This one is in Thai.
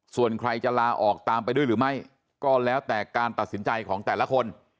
ส่วนใครจะลาออกตามไปด้วยหรือไม่ก็แล้วแต่การตัดสินใจของแต่ละคน